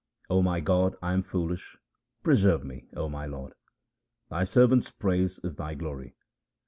0 my God, I am foolish, preserve me, O my Lord. Thy servant's praise is Thy glory.